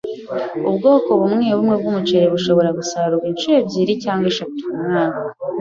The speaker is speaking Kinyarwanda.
Ubwoko bumwebumwe bwumuceri bushobora gusarurwa inshuro ebyiri cyangwa eshatu kumwaka.